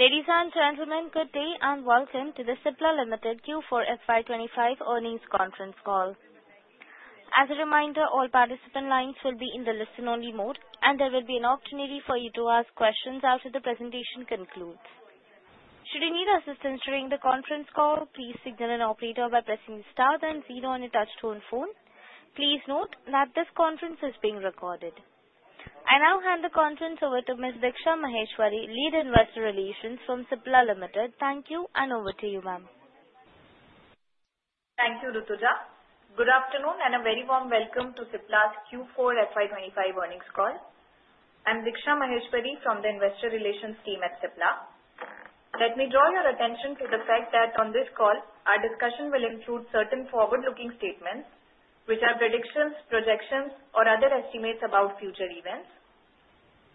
Ladies and gentlemen, good day and welcome to the Cipla Ltd Q4 FY 2025 earnings conference call. As a reminder, all participant lines will be in the listen-only mode, and there will be an opportunity for you to ask questions after the presentation concludes. Should you need assistance during the conference call, please signal an operator by pressing the star then zero on your touch-tone phone. Please note that this conference is being recorded. I now hand the conference over to Ms. Diksha Maheshwari, Head Investor Relations from Cipla Ltd. Thank you, and over to you, ma'am. Thank you, Rutuja. Good afternoon and a very warm welcome to Cipla's Q4 FY 2025 earnings call. I'm Diksha Maheshwari from the Investor Relations team at Cipla. Let me draw your attention to the fact that on this call, our discussion will include certain forward-looking statements, which are predictions, projections, or other estimates about future events.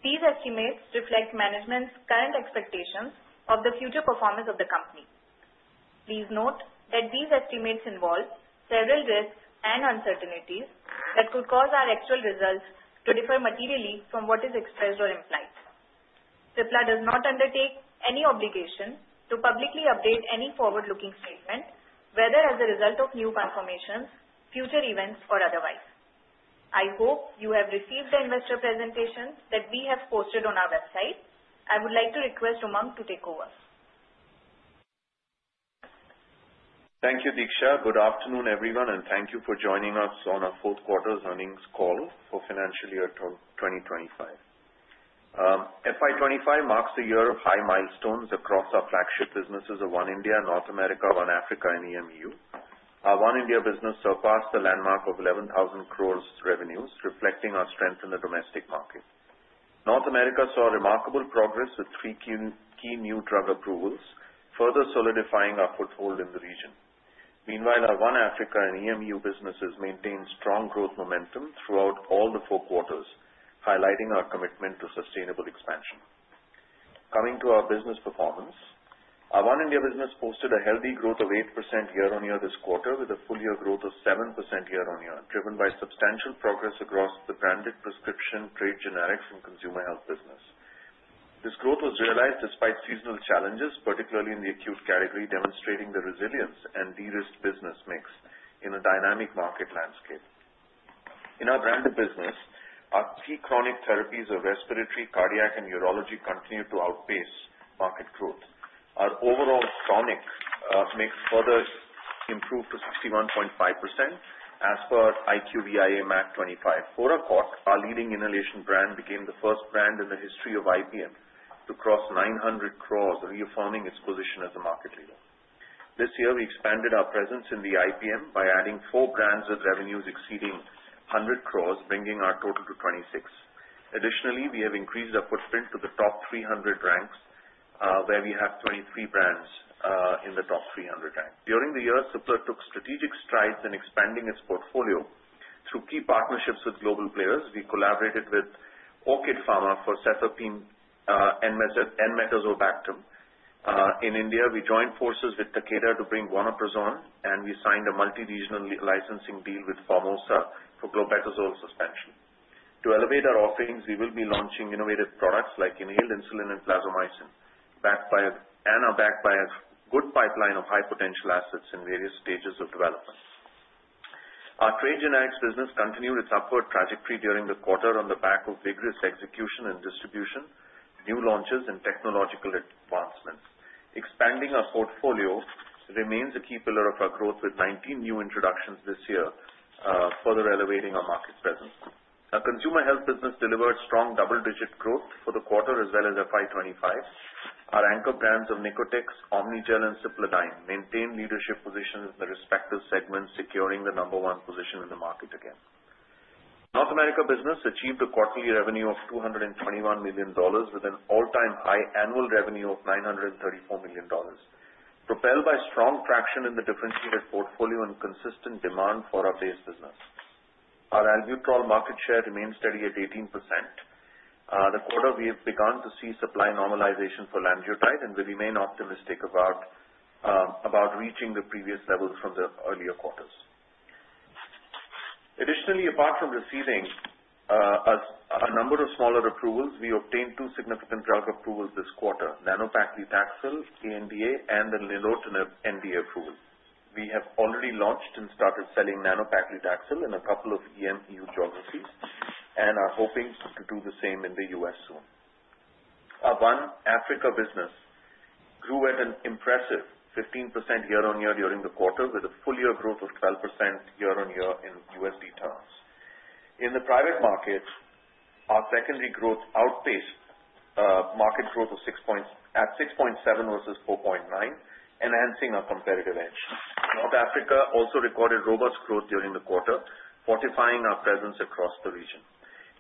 These estimates reflect management's current expectations of the future performance of the company. Please note that these estimates involve several risks and uncertainties that could cause our actual results to differ materially from what is expressed or implied. Cipla does not undertake any obligation to publicly update any forward-looking statement, whether as a result of new confirmations, future events, or otherwise. I hope you have received the investor presentations that we have posted on our website. I would like to request Umang to take over. Thank you, Diksha. Good afternoon, everyone, and thank you for joining us on our fourth quarter's earnings call for financial year 2025. FY 2025 marks a year of high milestones across our flagship businesses of One India, North America, One Africa, and EMU. Our One India business surpassed the landmark of 11,000 crore revenues, reflecting our strength in the domestic market. North America saw remarkable progress with three key new drug approvals, further solidifying our foothold in the region. Meanwhile, our One Africa and EMU businesses maintained strong growth momentum throughout all the four quarters, highlighting our commitment to sustainable expansion. Coming to our business performance, our One India business posted a healthy growth of 8% year-on-year this quarter, with a full-year growth of 7% year-on-year, driven by substantial progress across the branded prescription, trade, generics, and consumer health business. This growth was realized despite seasonal challenges, particularly in the acute category, demonstrating the resilience and de-risk business mix in a dynamic market landscape. In our branded business, our key chronic therapies of respiratory, cardiac, and urology continue to outpace market growth. Our overall chronic mix further improved to 61.5% as per IQVIA MAC 25. For our quarter, our leading inhalation brand became the first brand in the history of IPM to cross 9,000,000,000 crore reaffirming its position as a market leader. This year, we expanded our presence in the IPM by adding four brands with revenues exceeding 1,000,000,000 crore bringing our total to 26. Additionally, we have increased our footprint to the top 300 ranks, where we have 23 brands in the top 300 ranks. During the year, Cipla took strategic strides in expanding its portfolio through key partnerships with global players. We collaborated with OrchidPharma for Cefepime and Enmetazobactam. In India, we joined forces with Takeda to bring Vonoprazan, and we signed a multi-regional licensing deal with Formosa for Clobetasol suspension. To elevate our offerings, we will be launching innovative products like inhaled insulin and plasminogen, and are backed by a good pipeline of high-potential assets in various stages of development. Our trade generics business continued its upward trajectory during the quarter on the back of vigorous execution and distribution, new launches, and technological advancements. Expanding our portfolio remains a key pillar of our growth, with 19 new introductions this year, further elevating our market presence. Our consumer health business delivered strong double-digit growth for the quarter as well as FY 2025. Our anchor brands of Nicotex, Omnigel, and Cipladine maintained leadership positions in their respective segments, securing the number one position in the market again. North America business achieved a quarterly revenue of $221 million, with an all-time high annual revenue of $934 million, propelled by strong traction in the differentiated portfolio and consistent demand for our base business. Our albuterol market share remains steady at 18%. This quarter, we have begun to see supply normalization for Lanreotide, and we remain optimistic about reaching the previous level from the earlier quarters. Additionally, apart from receiving a number of smaller approvals, we obtained two significant drug approvals this quarter: Nano Paclitaxel ANDA and the Nilotinib NDA approval. We have already launched and started selling Nano Paclitaxel in a couple of EMU geographies and are hoping to do the same in the U.S. soon. Our One Africa business grew at an impressive 15% year-on-year during the quarter, with a full-year growth of 12% year-on-year in USD terms. In the private market, our secondary growth outpaced market growth at 6.7% versus 4.9%, enhancing our competitive edge. North Africa also recorded robust growth during the quarter, fortifying our presence across the region.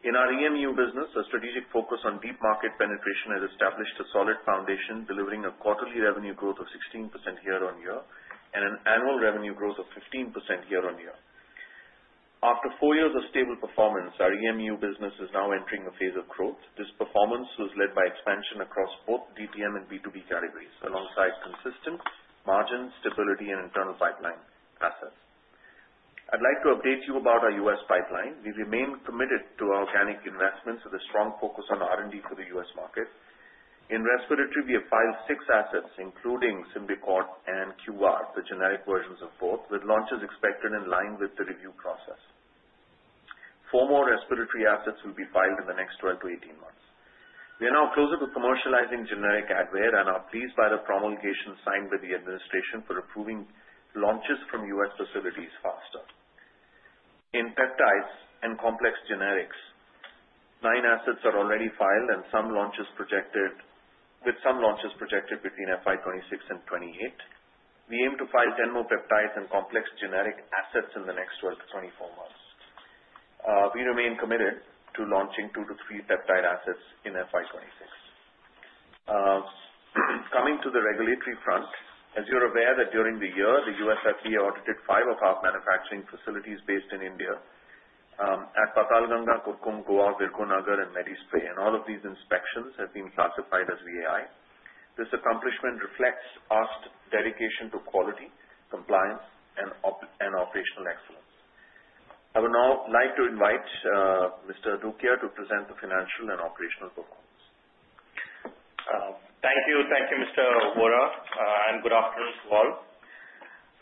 In our EMU business, a strategic focus on deep market penetration has established a solid foundation, delivering a quarterly revenue growth of 16% year-on-year and an annual revenue growth of 15% year-on-year. After four years of stable performance, our EMU business is now entering a phase of growth. This performance was led by expansion across both DTM and B2B categories, alongside consistent margin stability and internal pipeline assets. I'd like to update you about our U.S. pipeline. We remain committed to organic investments with a strong focus on R&D for the U.S. market. In respiratory, we have filed six assets, including Symbicort and QVAR, the generic versions of both, with launches expected in line with the review process. Four more respiratory assets will be filed in the next 12-18 months. We are now closer to commercializing generic Advair and are pleased by the promulgation signed by the administration for approving launches from U.S. facilities faster. In peptides and complex generics, nine assets are already filed and with some launches projected FY 2026 and 2028. We aim to file 10 more peptides and complex generic assets in the next 12-24 months. We remain committed to launching two to three peptide assets in FY 2026. Coming to the regulatory front, as you're aware that during the year, the U.S. FDA audited five of our manufacturing facilities based in India at Patalganga, Kurkumbh, Goa, Virgonagar, and MediSpray, and all of these inspections have been classified as VAI. This accomplishment reflects our dedication to quality, compliance, and operational excellence. I would now like to invite Mr. Adukia to present the financial and operational performance. Thank you. Thank you, Mr. Vohra, and good afternoon to all.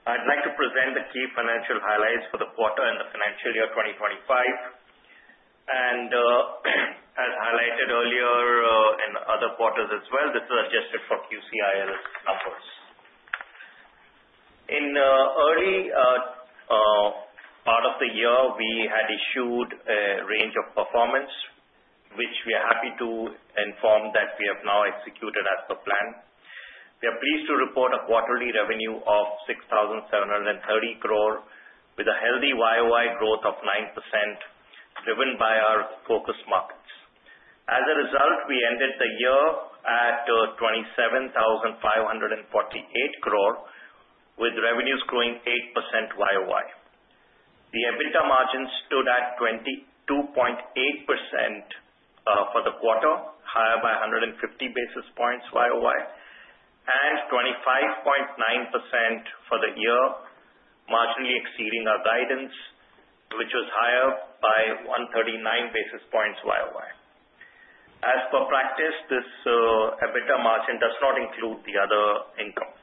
I'd like to present the key financial highlights for the quarter and the financial year 2025. As highlighted earlier in other quarters as well, this is adjusted for QCILS numbers. In the early part of the year, we had issued a range of performance, which we are happy to inform that we have now executed as per plan. We are pleased to report a quarterly revenue of 6,730 crore, with a healthy YoY growth of 9%, driven by our focus markets. As a result, we ended the year at 27,548 crore, with revenues growing 8% YoY. The EBITDA margin stood at 22.8% for the quarter, higher by 150 basis points YoY, and 25.9% for the year, marginally exceeding our guidance, which was higher by 139 basis points YoY. As per practice, this EBITDA margin does not include the other income.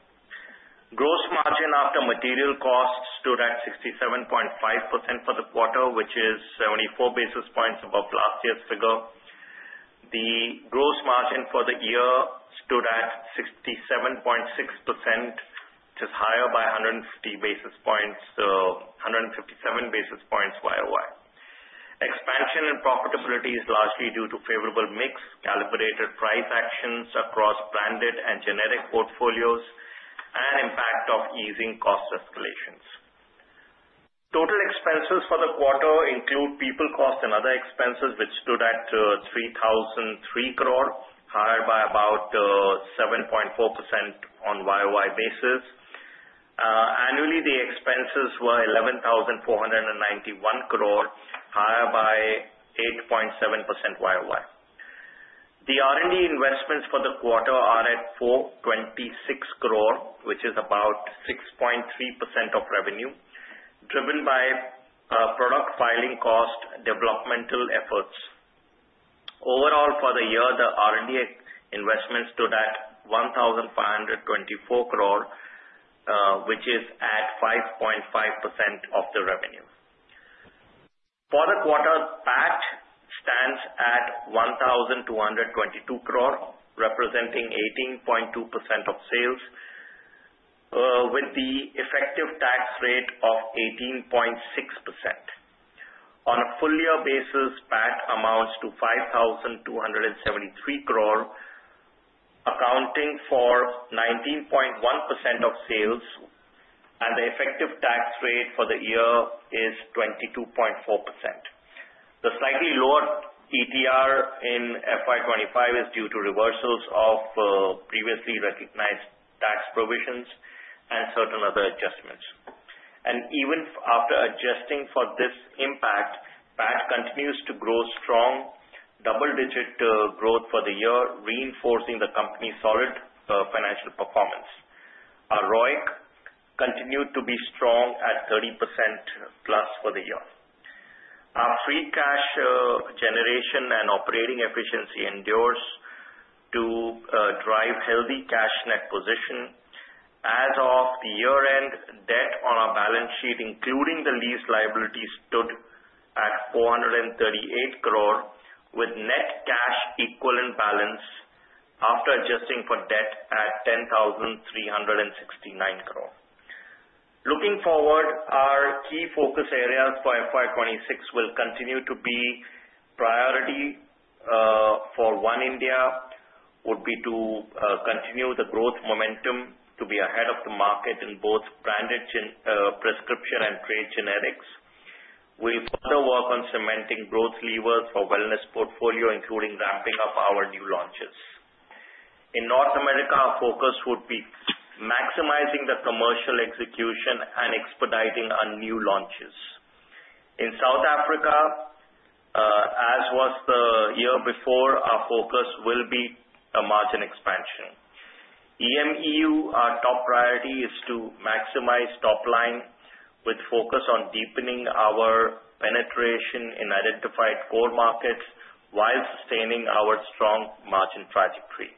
Gross margin after material costs stood at 67.5% for the quarter, which is 74 basis points above last year's figure. The gross margin for the year stood at 67.6%, which is higher by 150 basis points, so 157 basis points YoY. Expansion and profitability is largely due to favorable mixed calibrated price actions across branded and generic portfolios and impact of easing cost escalations. Total expenses for the quarter include people costs and other expenses, which stood at 3,003 crore, higher by about 7.4% on YoY basis. Annually, the expenses were 11,491 crore, higher by 8.7% YoY. The R&D investments for the quarter are at 426 crore, which is about 6.3% of revenue, driven by product filing cost developmental efforts. Overall, for the year, the R&D investments stood at 1,524 crore, which is at 5.5% of the revenue. For the quarter, PAT stands at 1,222 crore, representing 18.2% of sales, with the effective tax rate of 18.6%. On a full-year basis, PAT amounts to 5,273 crore, accounting for 19.1% of sales, and the effective tax rate for the year is 22.4%. The slightly lower ETR in FY 2025 is due to reversals of previously recognized tax provisions and certain other adjustments. Even after adjusting for this impact, PAT continues to grow strong, double-digit growth for the year, reinforcing the company's solid financial performance. Our ROIC continued to be strong at 30%+ for the year. Our free cash generation and operating efficiency endures to drive healthy cash net position. As of the year-end, debt on our balance sheet, including the lease liabilities, stood at 438 crore, with net cash equivalent balance after adjusting for debt at 10,369 crore. Looking forward, our key focus areas for FY 2026 will continue to be priority for One India, would be to continue the growth momentum to be ahead of the market in both branded prescription and trade generics. We'll further work on cementing growth levers for wellness portfolio, including ramping up our new launches. In North America, our focus would be maximizing the commercial execution and expediting our new launches. In South Africa, as was the year before, our focus will be margin expansion. EMU, our top priority, is to maximize top line with focus on deepening our penetration in identified core markets while sustaining our strong margin trajectory.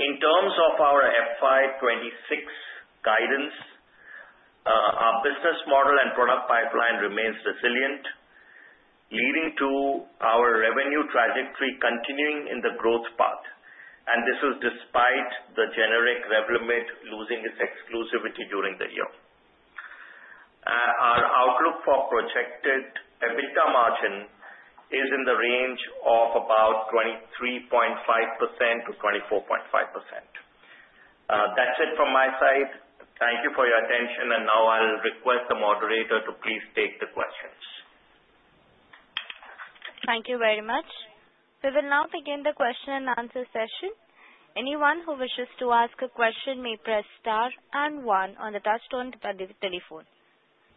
In terms of our FY 2026 guidance, our business model and product pipeline remains resilient, leading to our revenue trajectory continuing in the growth path. This is despite the generic Revlimid losing its exclusivity during the year. Our outlook for projected EBITDA margin is in the range of about 23.5%-24.5%. That's it from my side. Thank you for your attention. Now I'll request the moderator to please take the questions. Thank you very much. We will now begin the question and answer session. Anyone who wishes to ask a question may press star and one on the touchstone by the telephone.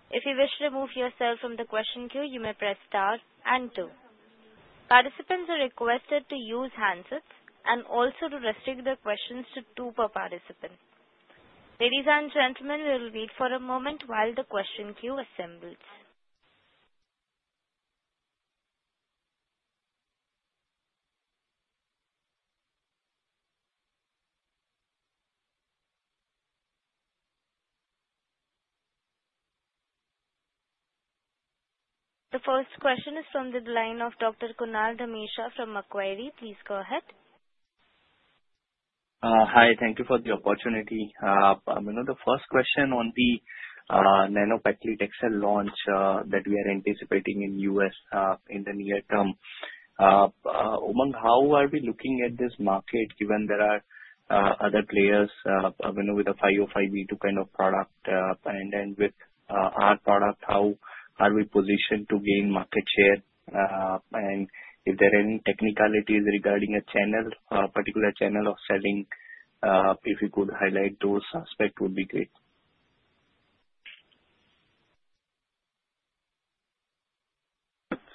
If you wish to remove yourself from the question queue, you may press star and two. Participants are requested to use handsets and also to restrict the questions to two per participant. Ladies and gentlemen, we'll wait for a moment while the question queue assembles. The first question is from the line of Dr. Kunal Dhamesha from Macquarie. Please go ahead. Hi. Thank you for the opportunity. The first question on the Nano Paclitaxel launch that we are anticipating in the U.S. in the near term, Umang, how are we looking at this market given there are other players with a 505(b)(2) kind of product? With our product, how are we positioned to gain market share? If there are any technicalities regarding a particular channel of selling, if you could highlight those aspects, it would be great.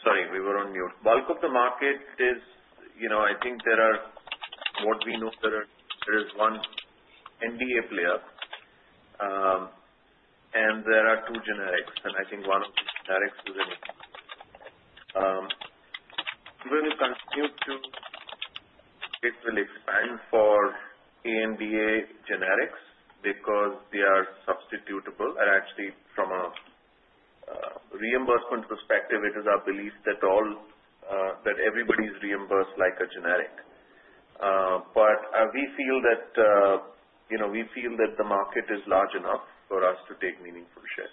Sorry, we were on mute. Bulk of the market is, I think there are what we know, there is one NDA player, and there are two generics. I think one of the generics is any. We will continue to expand for ANDA generics because they are substitutable. Actually, from a reimbursement perspective, it is our belief that everybody is reimbursed like a generic. We feel that the market is large enough for us to take meaningful share.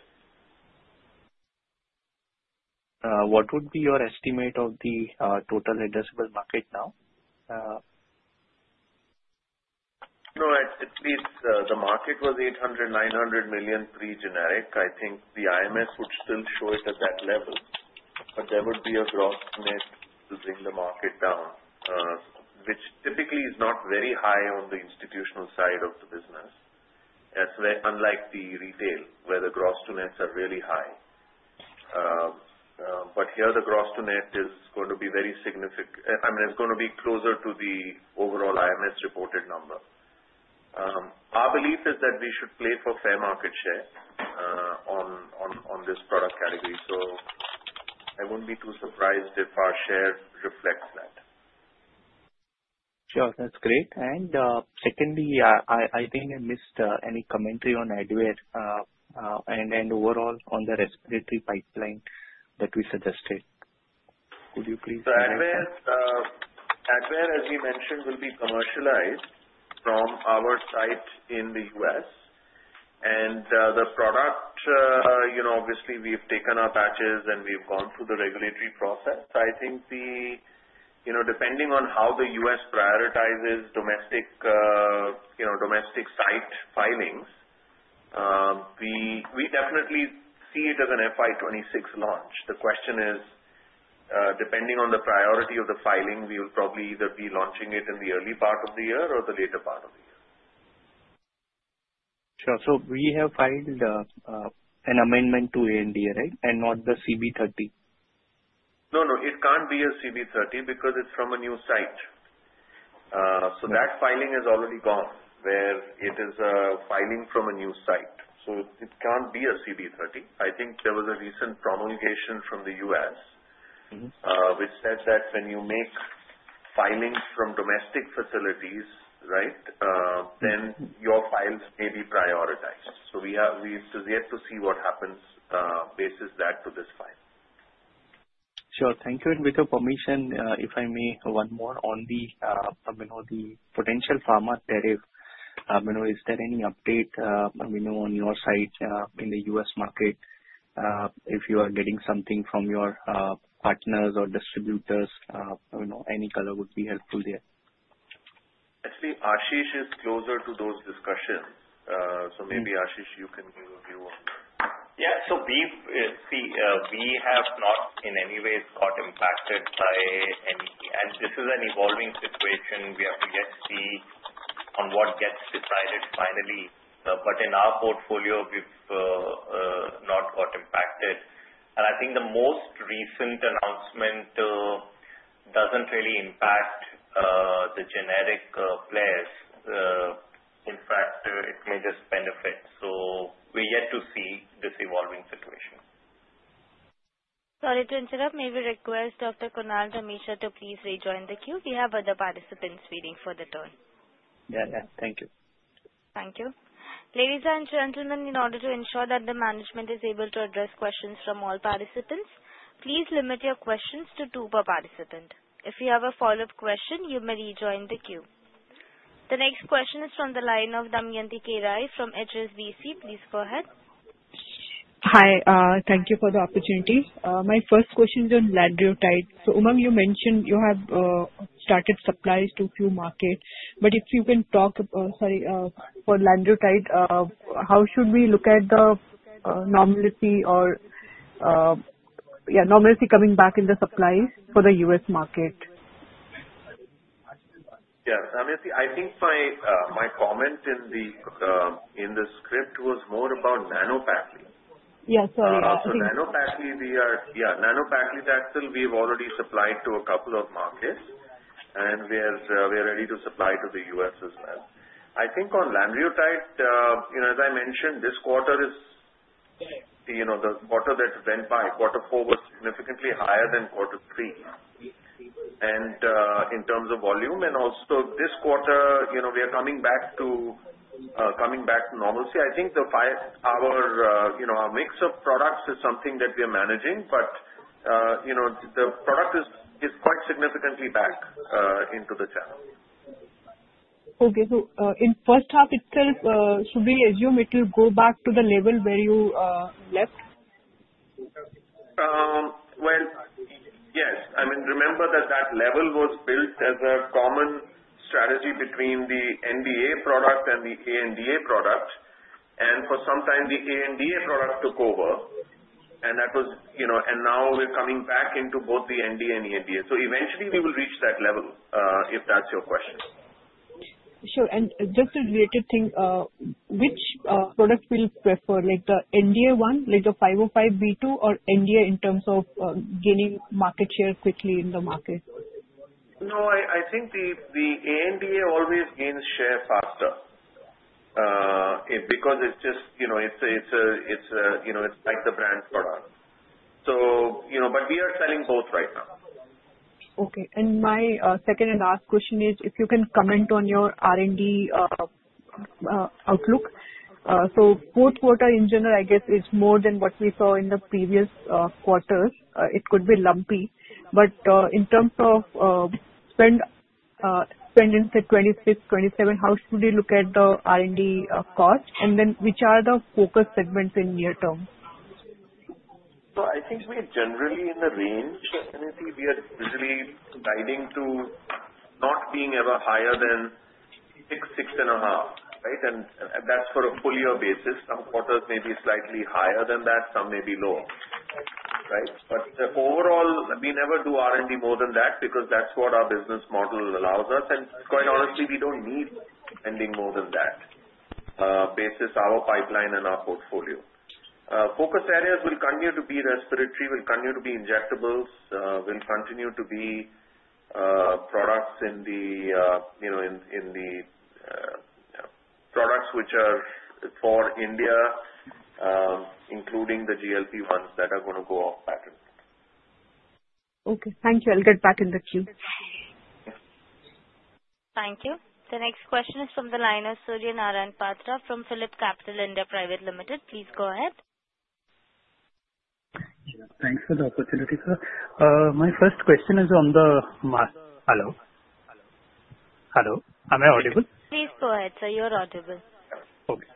What would be your estimate of the total addressable market now? No, at least the market was $800 million-$900 million pre-generic. I think the IMS would still show it at that level, but there would be a gross to net to bring the market down, which typically is not very high on the institutional side of the business. That is where, unlike the retail, where the gross to nets are really high. Here, the gross to net is going to be very significant. I mean, it is going to be closer to the overall IMS reported number. Our belief is that we should play for fair market share on this product category. I would not be too surprised if our share reflects that. Sure. That's great. Secondly, I think I missed any commentary on Advair and overall on the respiratory pipeline that we suggested. Could you please? Advair, as we mentioned, will be commercialized from our site in the U.S. The product, obviously, we've taken our batches and we've gone through the regulatory process. I think depending on how the U.S. prioritizes domestic site filings, we definitely see it as an FY 2026 launch. The question is, depending on the priority of the filing, we will probably either be launching it in the early part of the year or the later part of the year. Sure. So we have filed an amendment to ANDA, right, and not the CB30? No, no. It can't be a CB30 because it's from a new site. That filing has already gone where it is a filing from a new site. It can't be a CB30. I think there was a recent promulgation from the U.S., which said that when you make filings from domestic facilities, right, then your files may be prioritized. We have yet to see what happens basis that to this file. Sure. Thank you. If I may, one more on the potential pharma tariff. Is there any update on your side in the U.S. market? If you are getting something from your partners or distributors, any color would be helpful there. Actually, Ashish is closer to those discussions. So maybe Ashish, you can give a view on that. Yeah. We have not in any way got impacted by any. This is an evolving situation. We have to yet see on what gets decided finally. In our portfolio, we've not got impacted. I think the most recent announcement does not really impact the generic players. In fact, it may just benefit. We have yet to see this evolving situation. Sorry to interrupt. May we request Dr. Kunal Dhamesha to please rejoin the queue? We have other participants waiting for their turn. Yeah. Thank you. Thank you. Ladies and gentlemen, in order to ensure that the management is able to address questions from all participants, please limit your questions to two per participant. If you have a follow-up question, you may rejoin the queue. The next question is from the line of Damayanti Kerai from HSBC. Please go ahead. Hi. Thank you for the opportunity. My first question is on Lanreotide. Umang, you mentioned you have started supplies to a few markets. If you can talk, sorry, for Lanreotide, how should we look at the normality or, yeah, normality coming back in the supplies for the U.S. market? Yeah. I think my comment in the script was more about Nano Paclitaxel. Yeah, sorry. Nano Paclitaxel, we are, yeah, Nano Paclitaxel, we've already supplied to a couple of markets, and we are ready to supply to the U.S. as well. I think on lanreotide, as I mentioned, this quarter is the quarter that went by. Quarter four was significantly higher than quarter three. And in terms of volume, and also this quarter, we are coming back to normalcy. I think our mix of products is something that we are managing, but the product is quite significantly back into the channel. Okay. So in first half itself, should we assume it will go back to the level where you left? Yes. I mean, remember that that level was built as a common strategy between the NDA product and the ANDA product. For some time, the ANDA product took over, and that was, and now we're coming back into both the NDA and the ANDA. Eventually, we will reach that level if that's your question. Sure. And just a related thing, which product will you prefer? The NDA one, like the 505(b)(2), or NDA in terms of gaining market share quickly in the market? No, I think the ANDA always gains share faster because it's just, it's like the brand product. We are selling both right now. Okay. My second and last question is if you can comment on your R&D outlook. Fourth quarter, in general, I guess, is more than what we saw in the previous quarters. It could be lumpy. In terms of spending the 2026, 2027, how should we look at the R&D cost? Which are the focus segments in near term? I think we are generally in the range. I think we are really guiding to not being ever higher than 6%-6.5%, right? That is for a full year basis. Some quarters may be slightly higher than that. Some may be lower, right? Overall, we never do R&D more than that because that is what our business model allows us. Quite honestly, we do not need spending more than that basis our pipeline and our portfolio. Focus areas will continue to be respiratory, will continue to be injectables, will continue to be products in the products which are for India, including the GLP-1s that are going to go off patent. Okay. Thank you. I'll get back in the queue. Thank you. The next question is from the line of Surya Narayan Patra from PhillipCapital India Pvt Ltd. Please go ahead. Thanks for the opportunity, sir. My first question is on the hello. Hello. Hello. Am I audible? Please go ahead, sir. You're audible. Okay.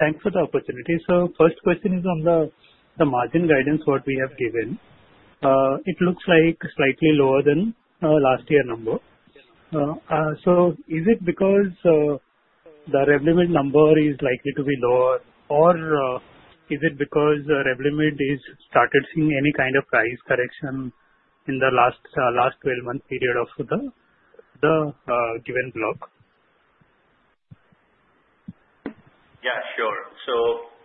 Thanks for the opportunity. First question is on the margin guidance what we have given. It looks like slightly lower than last year number. Is it because the Revlimid number is likely to be lower, or is it because Revlimid is started seeing any kind of price correction in the last 12-month period of the given block? Yeah, sure.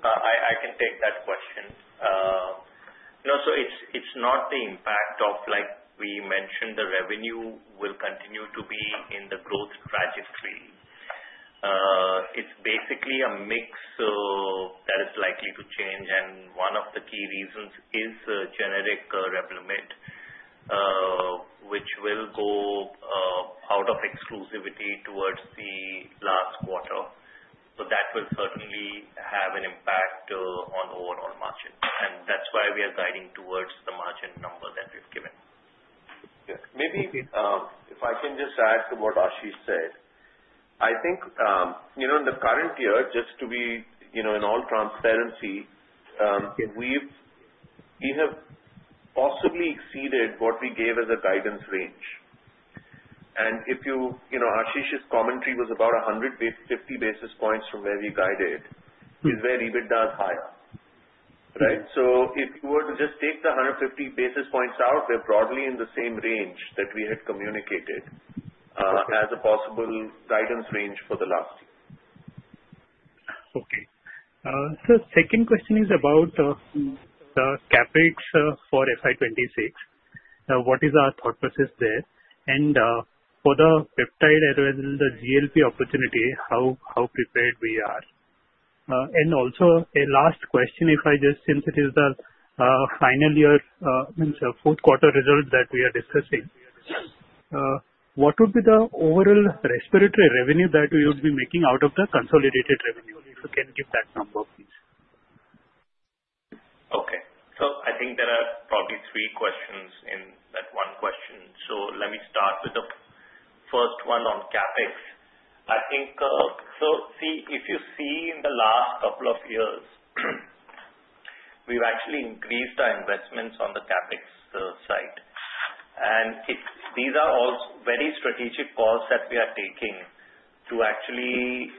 I can take that question. No, it's not the impact of, like we mentioned, the revenue will continue to be in the growth trajectory. It's basically a mix that is likely to change. One of the key reasons is generic Revlimid, which will go out of exclusivity towards the last quarter. That will certainly have an impact on overall margin. That's why we are guiding towards the margin number that we've given. Yeah. Maybe if I can just add to what Ashish said. I think in the current year, just to be in all transparency, we have possibly exceeded what we gave as a guidance range. If you, Ashish's commentary was about 150 basis points from where we guided, is where EBITDA is higher, right? If you were to just take the 150 basis points out, we're broadly in the same range that we had communicated as a possible guidance range for the last year. Okay. Second question is about the CapEx for FY 2026. What is our thought process there? For the peptide as well as the GLP opportunity, how prepared are we? Also, a last question, since it is the final year, meaning the fourth quarter result that we are discussing, what would be the overall respiratory revenue that we would be making out of the consolidated revenue? If you can give that number, please. Okay. I think there are probably three questions in that one question. Let me start with the first one on CapEx. If you see in the last couple of years, we've actually increased our investments on the CapEx side. These are all very strategic calls that we are taking to actually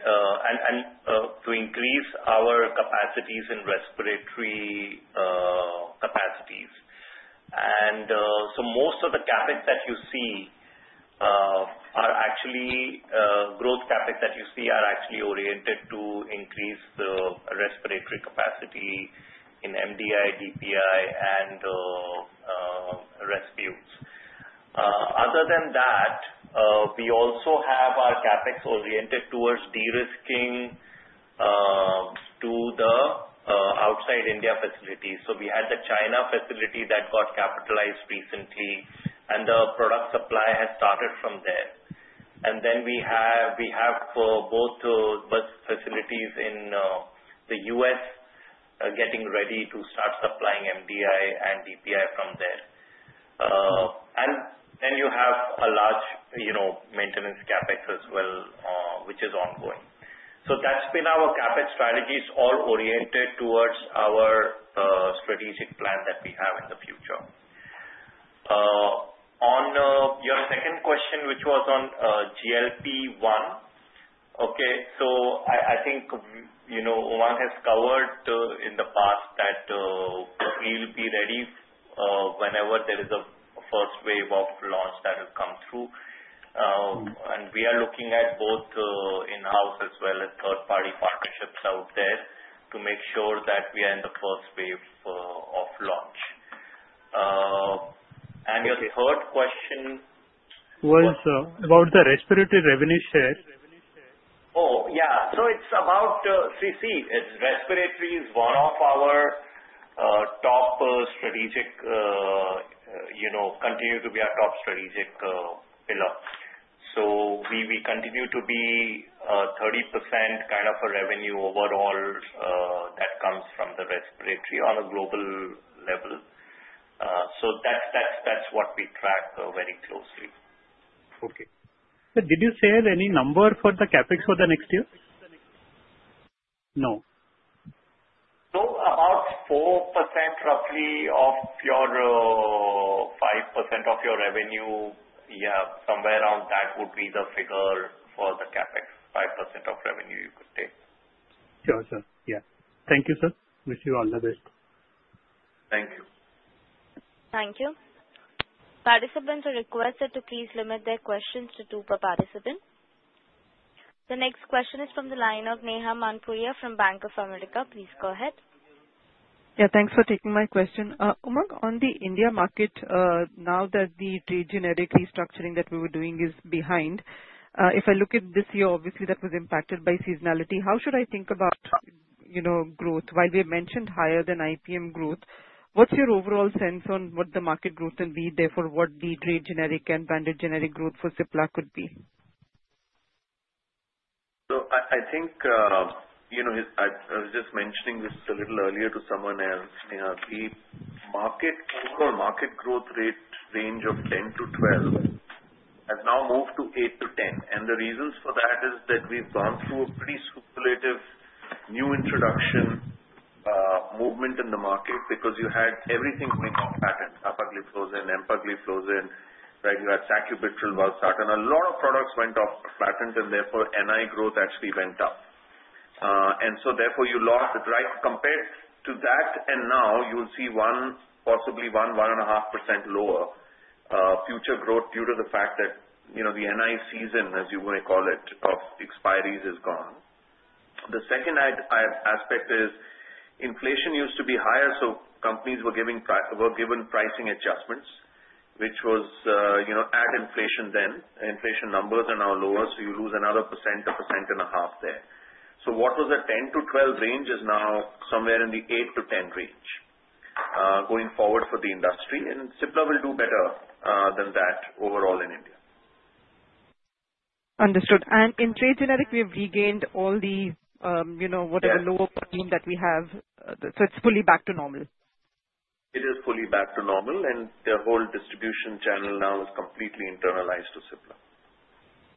increase our capacities in respiratory capacities. Most of the CapEx that you see are actually growth CapEx that are oriented to increase the respiratory capacity in MDI, DPI, and rescues. Other than that, we also have our CapEx oriented towards de-risking to the outside India facilities. We had the China facility that got capitalized recently, and the product supply has started from there. We have both facilities in the U.S. getting ready to start supplying MDI and DPI from there. You have a large maintenance CapEx as well, which is ongoing. That has been our CapEx strategy. It is all oriented towards our strategic plan that we have in the future. On your second question, which was on GLP-1, I think Umang has covered in the past that we will be ready whenever there is a first wave of launch that will come through. We are looking at both in-house as well as third-party partnerships out there to make sure that we are in the first wave of launch. Your third question. Was about the respiratory revenue share. Oh, yeah. See, respiratory is one of our top strategic, continues to be our top strategic pillar. We continue to be 30% kind of a revenue overall that comes from respiratory on a global level. That's what we track very closely. Okay. Did you share any number for the CapEx for the next year? No. No. About 4% roughly or 5% of your revenue, yeah, somewhere around that would be the figure for the CapEx, 5% of revenue you could take. Gotcha. Yeah. Thank you, sir. Wish you all the best. Thank you. Thank you. Participants are requested to please limit their questions to two per participant. The next question is from the line of Neha Manpuria from Bank of America. Please go ahead. Yeah. Thanks for taking my question. Umang, on the India market, now that the trade generic restructuring that we were doing is behind, if I look at this year, obviously that was impacted by seasonality, how should I think about growth? While we have mentioned higher than IPM growth, what's your overall sense on what the market growth can be there for what the trade generic and branded generic growth for Cipla could be? I think I was just mentioning this a little earlier to someone else. The overall market growth rate range of 10%-12% has now moved to 8%-10%. The reasons for that is that we've gone through a pretty superlative new introduction movement in the market because you had everything going off patent. Apagliflozin, Empagliflozin, right? You had Sacubitril, Valsartan. A lot of products went off patent, and therefore NI growth actually went up. Therefore you lost, right? Compared to that, and now you'll see possibly 1%-1.5% lower future growth due to the fact that the NI season, as you may call it, of expiries is gone. The second aspect is inflation used to be higher, so companies were given pricing adjustments, which was at inflation then. Inflation numbers are now lower, so you lose another 1%, 1.5% there. What was a 10%-12% range is now somewhere in the 8%-10% range going forward for the industry. Cipla will do better than that overall in India. Understood. In trade generic, we have regained all the whatever lower volume that we have. It is fully back to normal. It is fully back to normal, and the whole distribution channel now is completely internalized to Cipla.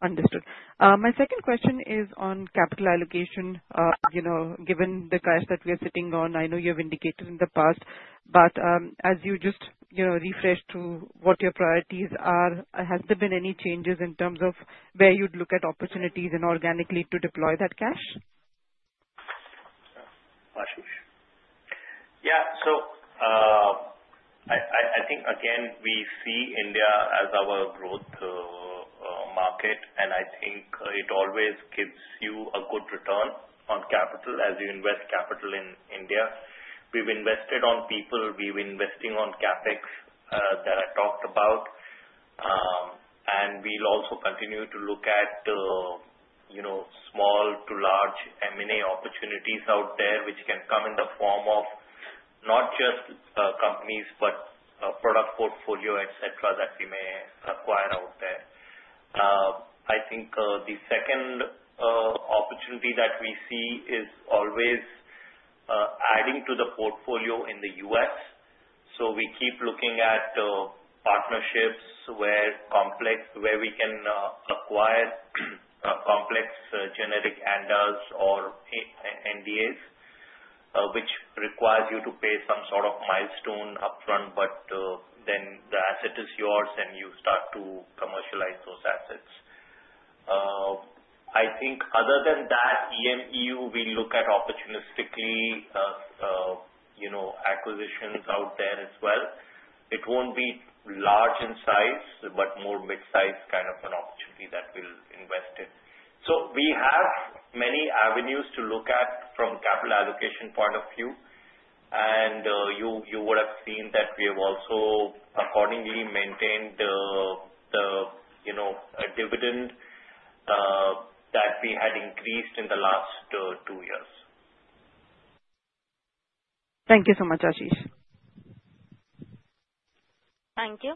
Understood. My second question is on capital allocation. Given the cash that we are sitting on, I know you have indicated in the past, but as you just refreshed to what your priorities are, has there been any changes in terms of where you'd look at opportunities inorganically to deploy that cash? Yeah. I think, again, we see India as our growth market, and I think it always gives you a good return on capital as you invest capital in India. We have invested on people. We have been investing on CapEx that I talked about. We will also continue to look at small to large M&A opportunities out there, which can come in the form of not just companies, but product portfolio, etc., that we may acquire out there. I think the second opportunity that we see is always adding to the portfolio in the U.S. We keep looking at partnerships where we can acquire complex generic ANDAs or NDAs, which requires you to pay some sort of milestone upfront, but then the asset is yours, and you start to commercialize those assets. Other than that, EMU, we look at opportunistically acquisitions out there as well. It will not be large in size, but more mid-size kind of an opportunity that we will invest in. We have many avenues to look at from a capital allocation point of view. You would have seen that we have also accordingly maintained the dividend that we had increased in the last two years. Thank you so much, Ashish. Thank you.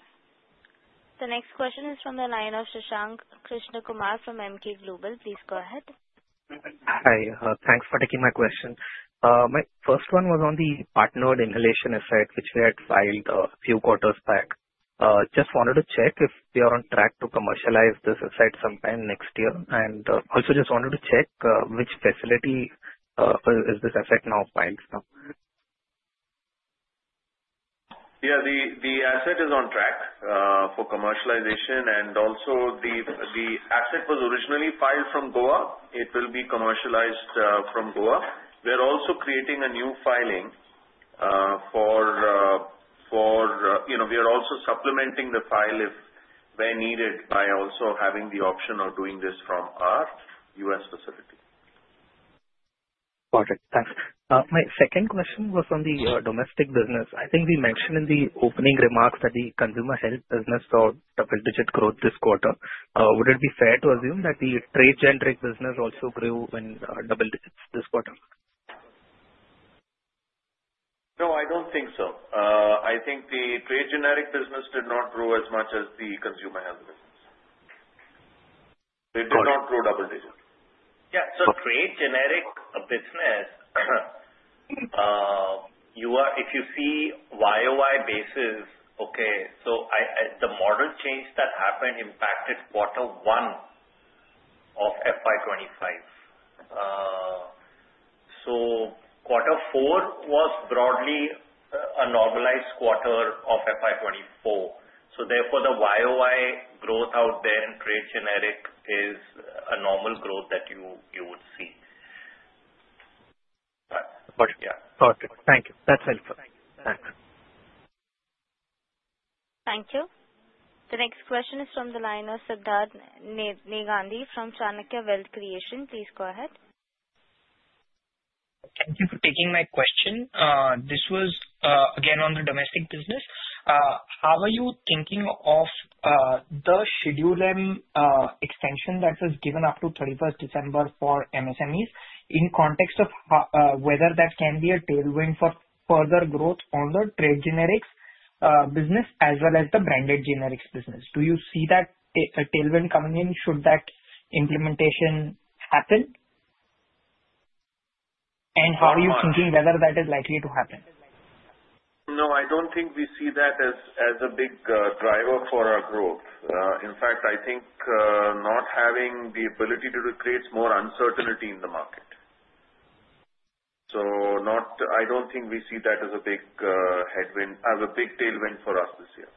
The next question is from the line of Shashank Krishnakumar from Emkay Global. Please go ahead. Hi. Thanks for taking my question. My first one was on the partnered inhalation asset, which we had filed a few quarters back. Just wanted to check if we are on track to commercialize this asset sometime next year. Also just wanted to check which facility is this asset now filed for. Yeah. The asset is on track for commercialization. The asset was originally filed from Goa. It will be commercialized from Goa. We are also creating a new filing for, we are also supplementing the file if needed by also having the option of doing this from our U.S. facility. Got it. Thanks. My second question was on the domestic business. I think we mentioned in the opening remarks that the consumer health business saw double-digit growth this quarter. Would it be fair to assume that the trade generic business also grew in double digits this quarter? No, I don't think so. I think the trade generic business did not grow as much as the consumer health business. It did not grow double digits. Yeah. Trade generic business, if you see YoY basis, okay, the model change that happened impacted quarter one of FY 2025. Quarter four was broadly a normalized quarter of FY 2024. Therefore, the YoY growth out there in trade generic is a normal growth that you would see. Yeah. Gotcha. Gotcha. Thank you. That's helpful. Thanks. Thank you. The next question is from the line of Sidharth Negandhi from Chanakya Wealth Creation. Please go ahead. Thank you for taking my question. This was again on the domestic business. How are you thinking of the schedule extension that was given up to 31st December for MSMEs in context of whether that can be a tailwind for further growth on the trade generics business as well as the branded generics business? Do you see that tailwind coming in should that implementation happen? How are you thinking whether that is likely to happen? No, I don't think we see that as a big driver for our growth. In fact, I think not having the ability to create more uncertainty in the market. I don't think we see that as a big headwind, as a big tailwind for us this year.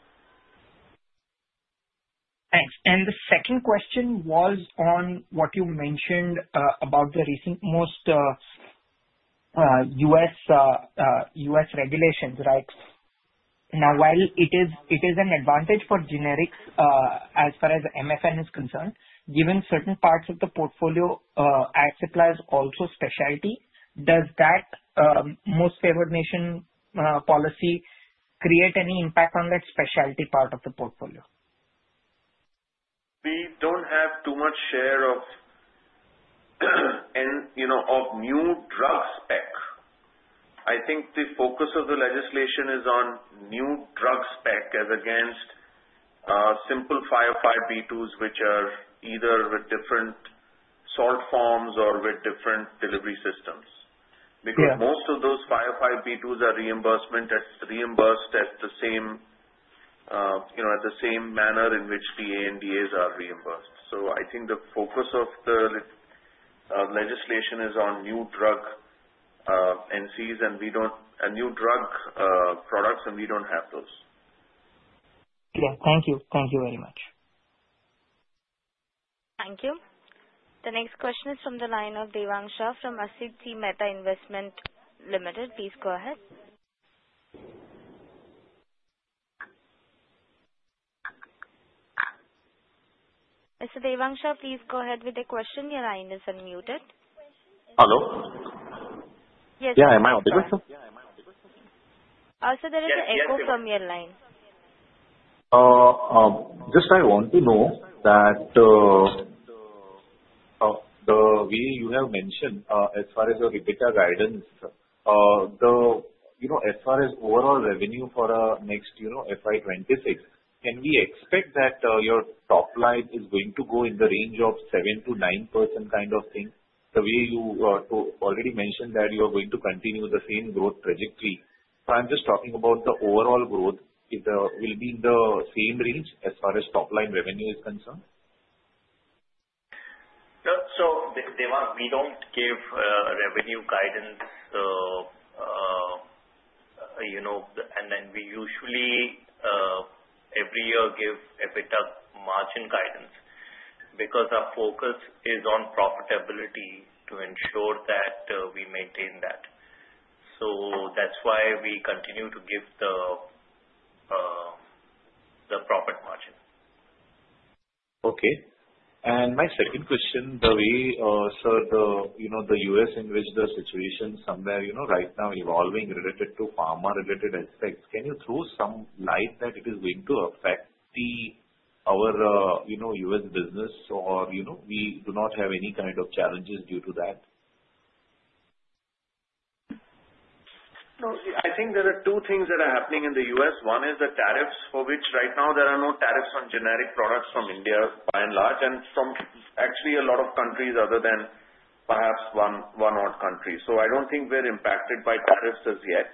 Thanks. The second question was on what you mentioned about the recent most U.S. regulations, right? Now, while it is an advantage for generics as far as MFN is concerned, given certain parts of the portfolio, at Cipla is also specialty. Does that most favored nation policy create any impact on that specialty part of the portfolio? We do not have too much share of new drug spec. I think the focus of the legislation is on new drug spec as against simple 505(b)(2)s, which are either with different salt forms or with different delivery systems. Because most of those 505(b)(2)s are reimbursed in the same manner in which the ANDAs are reimbursed. I think the focus of the legislation is on new drug NCs and new drug products, and we do not have those. Yeah. Thank you. Thank you very much. Thank you. The next question is from the line of Devang Sha from Asit C Mehta Investment Ltd. Please go ahead. Mr. Devang Sha, please go ahead with the question. Your line is unmuted. Hello? Yes. Yeah. Am I on the good? Yeah. Am I on the good? There is an echo from your line. Just I want to know that the way you have mentioned as far as your EBITDA guidance, as far as overall revenue for next FY 2026, can we expect that your top line is going to go in the range of 7%-9% kind of thing? The way you already mentioned that you are going to continue the same growth trajectory. I'm just talking about the overall growth will be in the same range as far as top line revenue is concerned? Deva, we do not give revenue guidance, and then we usually every year give EBITDA margin guidance because our focus is on profitability to ensure that we maintain that. That is why we continue to give the profit margin. Okay. My second question, the way the U.S. in which the situation somewhere right now evolving related to pharma-related aspects, can you throw some light that it is going to affect our U.S. business or we do not have any kind of challenges due to that? No. I think there are two things that are happening in the U.S. One is the tariffs for which right now there are no tariffs on generic products from India by and large and from actually a lot of countries other than perhaps one odd country. I do not think we are impacted by tariffs as yet.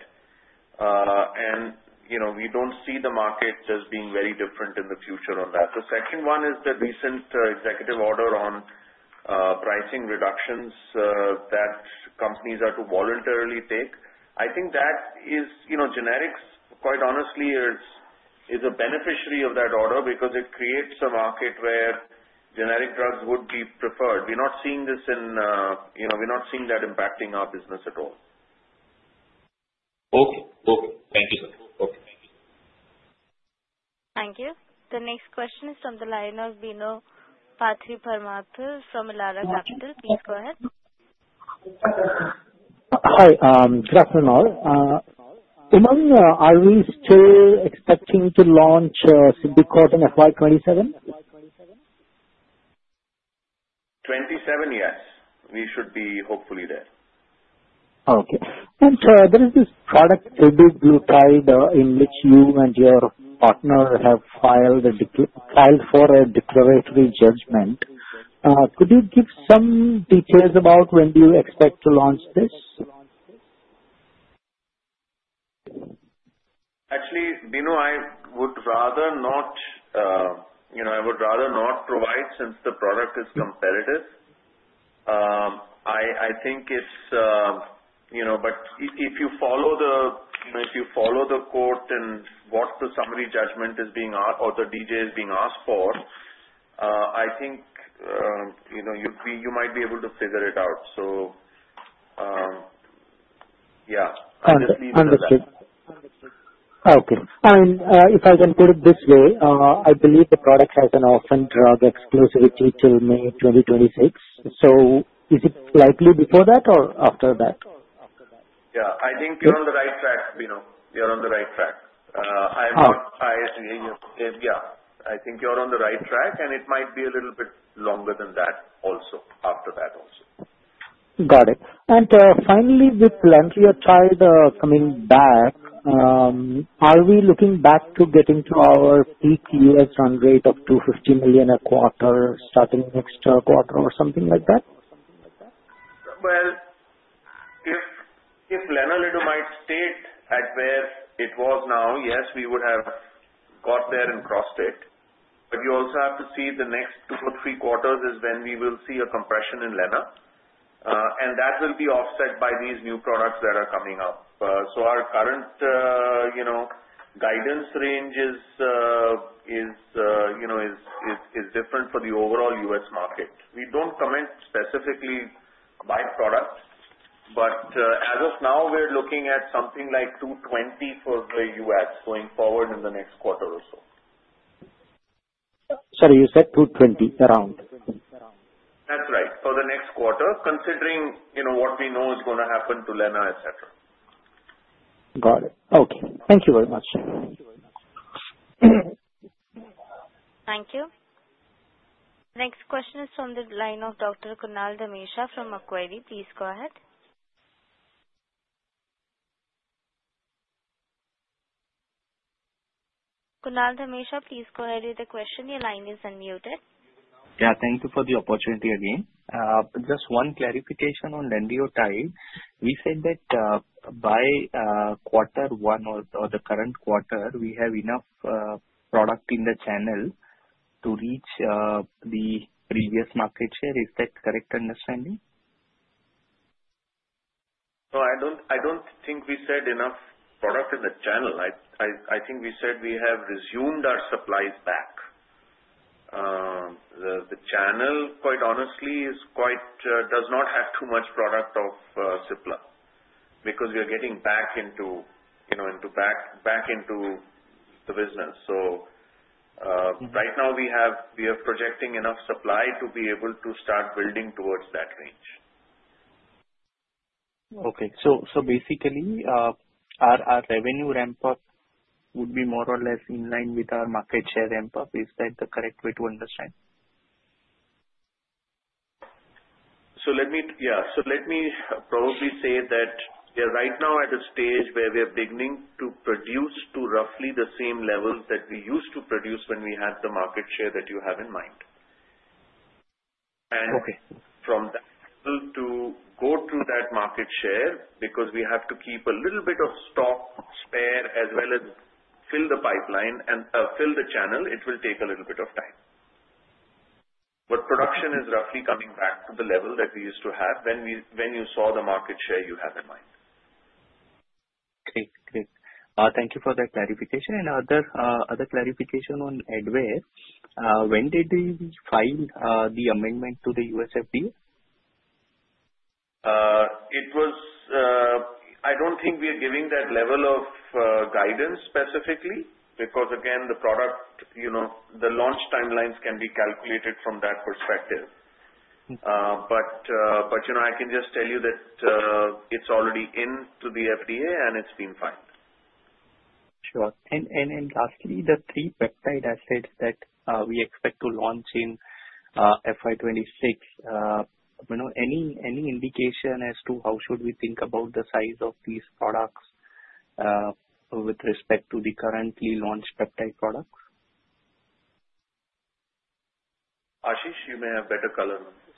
We do not see the market just being very different in the future on that. The second one is the recent executive order on pricing reductions that companies are to voluntarily take. I think that is generics, quite honestly, is a beneficiary of that order because it creates a market where generic drugs would be preferred. We are not seeing this in, we are not seeing that impacting our business at all. Okay. Thank you, sir. Okay. Thank you. The next question is from the line of Beno Parthi Parmar from Lara Capital. Please go ahead. Hi. Good afternoon. Um, are we still expecting to launch Cipliqord in FY 2027? 27, yes. We should be hopefully there. Okay. There is this product, Semaglutide, in which you and your partner have filed for a declaratory judgment. Could you give some details about when do you expect to launch this? Actually, Beno, I would rather not. I would rather not provide since the product is competitive. I think it's, but if you follow the, if you follow the court and what the summary judgment is being, or the DJ is being asked for, I think you might be able to figure it out. So, yeah. Understood. Okay. And if I can put it this way, I believe the product has an off-and-drug exclusivity till May 2026. Is it likely before that or after that? Yeah. I think you're on the right track, Benough. You're on the right track. How? Yeah. I think you're on the right track, and it might be a little bit longer than that also, after that also. Got it. And finally, with Lanreotide coming back, are we looking back to getting to our peak U.S. run rate of $250 million a quarter starting next quarter or something like that? If Lenalidomide might stay at where it was now, yes, we would have got there and crossed it. You also have to see the next two or three quarters is when we will see a compression in Lena. That will be offset by these new products that are coming up. Our current guidance range is different for the overall U.S. market. We do not comment specifically by product, but as of now, we are looking at something like $220 million for the U.S. going forward in the next quarter or so. Sorry, you said 220 around? That's right. For the next quarter, considering what we know is going to happen to Lena, etc. Got it. Okay. Thank you very much. Thank you very much. Thank you. The next question is from the line of Dr. Kunal Dhamesha from Macquarie. Please go ahead. Kunal Dhamesha, please go ahead with the question. Your line is unmuted. Yeah. Thank you for the opportunity again. Just one clarification on Lanreotide. We said that by quarter one or the current quarter, we have enough product in the channel to reach the previous market share. Is that correct understanding? No, I don't think we said enough product in the channel. I think we said we have resumed our supplies back. The channel, quite honestly, does not have too much product of Cipla because we are getting back into the business. Right now, we are projecting enough supply to be able to start building towards that range. Okay. So basically, our revenue ramp-up would be more or less in line with our market share ramp-up. Is that the correct way to understand? Yeah. Let me probably say that we are right now at a stage where we are beginning to produce to roughly the same levels that we used to produce when we had the market share that you have in mind. From that level to go to that market share, because we have to keep a little bit of stock spare as well as fill the pipeline and fill the channel, it will take a little bit of time. Production is roughly coming back to the level that we used to have when you saw the market share you have in mind. Okay. Great. Thank you for that clarification. Another clarification on Advair, when did you file the amendment to the U.S. FDA? I don't think we are giving that level of guidance specifically because, again, the product, the launch timelines can be calculated from that perspective. I can just tell you that it's already in to the FDA and it's been filed. Sure. Lastly, the three peptide acids that we expect to launch in FY 2026, any indication as to how should we think about the size of these products with respect to the currently launched peptide products? Ashish, you may have better color on this.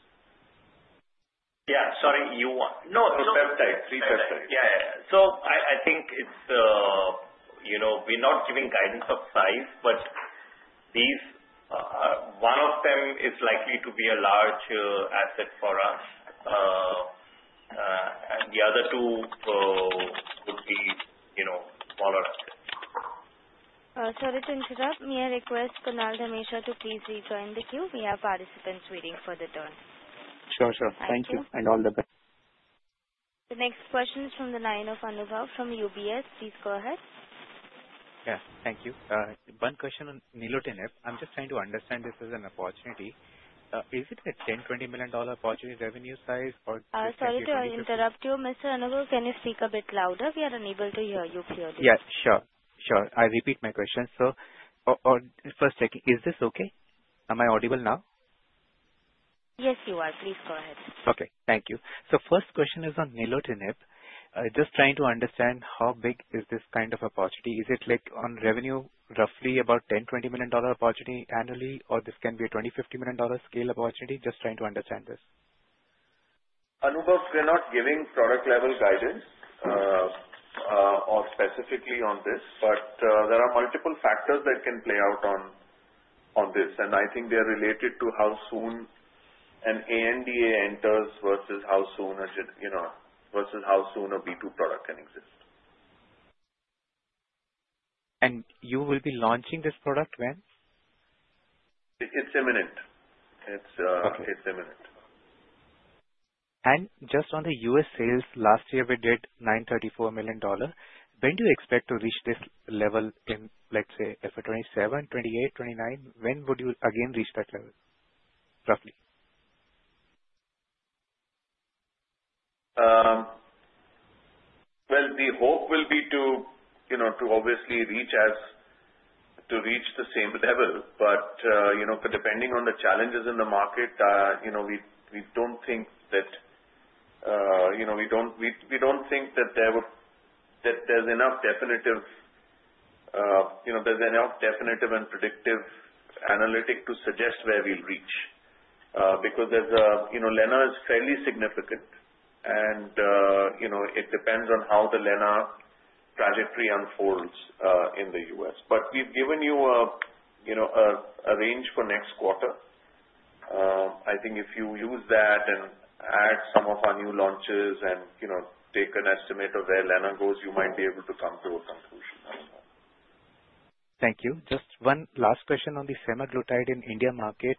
Yeah. Sorry. You want, no, it's peptide. Three peptides. Yeah. I think we're not giving guidance of size, but one of them is likely to be a large asset for us. The other two would be smaller assets. Sorry to interrupt. May I request Kunal Dhamesha to please rejoin the queue? We have participants waiting for their turn. Sure. Sure. Thank you. All the best. The next question is from the line of Anugrah from UBS. Please go ahead. Yeah. Thank you. One question on Nilotinib. I'm just trying to understand this as an opportunity. Is it a $10 million-$20 million opportunity revenue size or? Sorry to interrupt you. Mr. Anugrah, can you speak a bit louder? We are unable to hear you clearly. Yeah. Sure. I repeat my question. First, checking, is this okay? Am I audible now? Yes, you are. Please go ahead. Okay. Thank you. First question is on Nilotinib. Just trying to understand how big is this kind of opportunity? Is it on revenue roughly about $10 million-$20 million opportunity annually, or this can be a $20 million-$50 million scale opportunity? Just trying to understand this. Anugarh's not giving product-level guidance or specifically on this, but there are multiple factors that can play out on this. I think they are related to how soon an ANDA enters versus how soon a B2 product can exist. You will be launching this product when? It's imminent. Just on the U.S. sales, last year we did $934 million. When do you expect to reach this level in, let's say, FY 2027, 2028, 2029? When would you again reach that level, roughly? The hope will be to obviously reach the same level. Depending on the challenges in the market, we do not think that there is enough definitive and predictive analytic to suggest where we will reach because Lena is fairly significant. It depends on how the Lena trajectory unfolds in the U.S. We have given you a range for next quarter. I think if you use that and add some of our new launches and take an estimate of where Lena goes, you might be able to come to a conclusion. Thank you. Just one last question on the semaglutide in India market.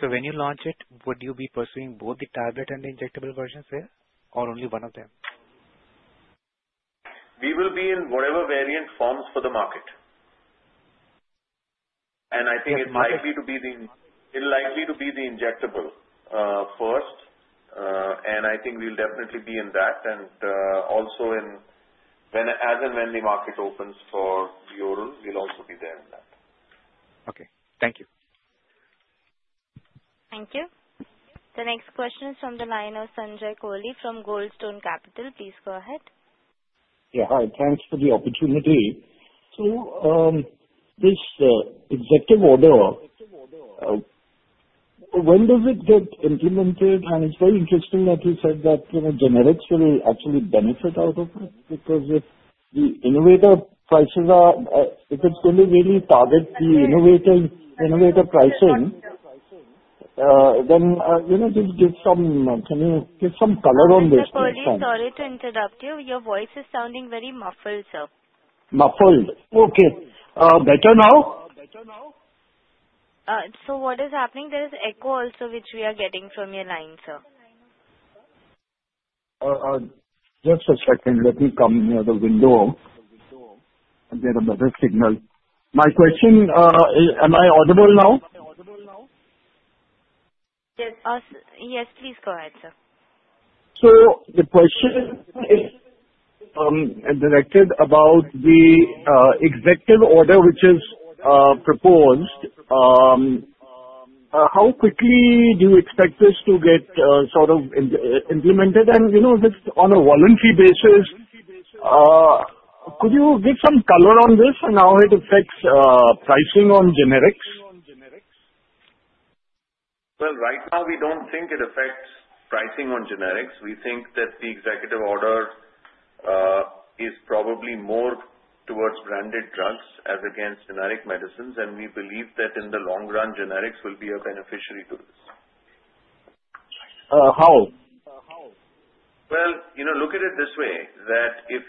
When you launch it, would you be pursuing both the tablet and the injectable versions there or only one of them? We will be in whatever variant forms for the market. I think it might be that it'll likely be the injectable first. I think we'll definitely be in that. Also, as and when the market opens for the oral, we'll also be there in that. Okay. Thank you. Thank you. The next question is from the line of Sanjay Kohli from Gold Stone Capital. Please go ahead. Yeah. Hi. Thanks for the opportunity. This executive order, when does it get implemented? It is very interesting that you said that generics will actually benefit out of it because if the innovator prices are, if it is going to really target the innovator pricing, then just give some, can you give some color on this? Mr. Kohli, sorry to interrupt you. Your voice is sounding very muffled, sir. Muffled. Okay. Better now? What is happening? There is echo also, which we are getting from your line, sir. Just a second. Let me come near the window. I get a better signal. My question, am I audible now? Yes. Yes. Please go ahead, sir. The question is directed about the executive order, which is proposed. How quickly do you expect this to get sort of implemented? Just on a voluntary basis, could you give some color on this and how it affects pricing on generics? Right now, we do not think it affects pricing on generics. We think that the executive order is probably more towards branded drugs as against generic medicines. We believe that in the long run, generics will be a beneficiary to this. How? Look at it this way that if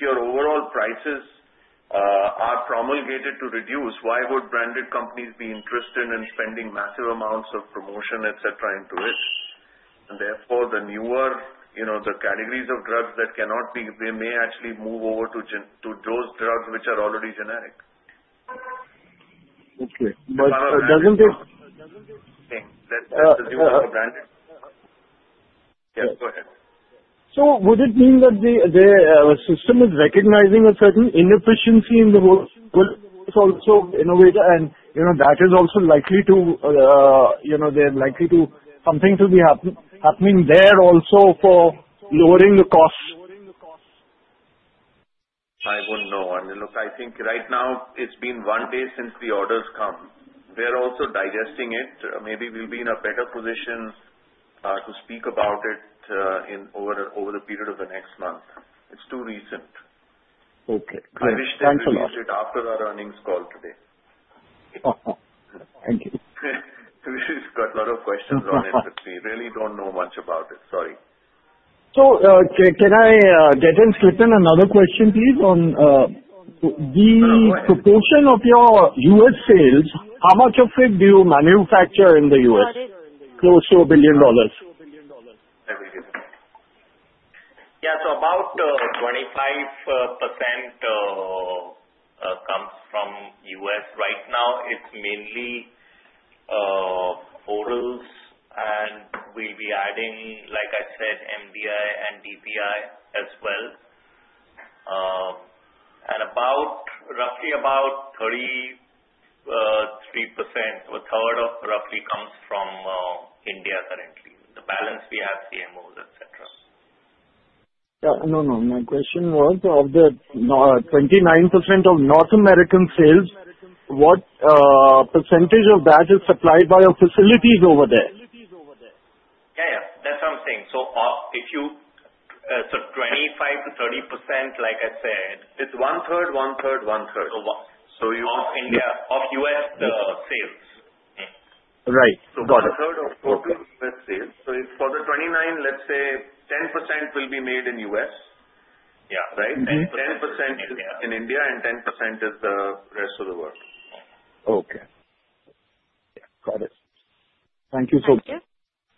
your overall prices are promulgated to reduce, why would branded companies be interested in spending massive amounts of promotion, etc., into it? Therefore, the newer, the categories of drugs that cannot be, they may actually move over to those drugs which are already generic. Okay. Doesn't it? Thing that the newer branded, yeah. Go ahead. Would it mean that the system is recognizing a certain inefficiency in the whole, also innovator? That is also likely to, they're likely to, something to be happening there also for lowering the cost? I wouldn't know. Look, I think right now, it's been one day since the order's come. They're also digesting it. Maybe we'll be in a better position to speak about it over the period of the next month. It's too recent. Okay. Thank you. I wish they could launch it after our earnings call today. Thank you. It's got a lot of questions on it with me. Really don't know much about it. Sorry. Can I get in slip in another question, please, on the proportion of your U.S. sales? How much of it do you manufacture in the U.S.? Close to $1 billion. Every year. Yeah. About 25% comes from the U.S. Right now, it's mainly orals. We'll be adding, like I said, MDI and DPI as well. Roughly about 33%, a third roughly, comes from India currently. The balance, we have CMOs, etc. Yeah. No, no. My question was, of the 29% of North American sales, what percentage of that is supplied by our facilities over there? Yeah. Yeah. That's what I'm saying. If you, so 25%-30%, like I said, it's one-third, one-third, one-third of U.S. sales. Right. Got it. One-third of total U.S. sales. For the 29, let's say 10% will be made in the U.S., right? And 10% is in India and 10% is the rest of the world. Okay. Got it. Thank you so much. Thank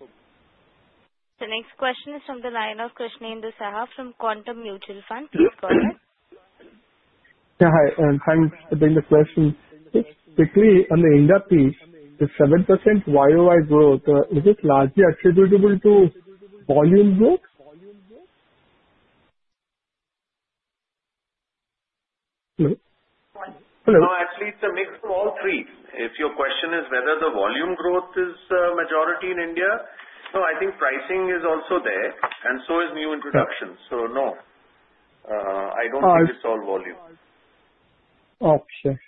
you. The next question is from the line of Krishna Sanghavi from Quantum Mutual Fund. Please go ahead. Yeah. Hi. I'm just adding the question. Quickly, on the India piece, the 7% YoY growth, is it largely attributable to volume growth? Hello? Hello? No. At least a mix of all three. If your question is whether the volume growth is majority in India, no, I think pricing is also there. And so is new introduction. No, I do not think it is all volume. Okay.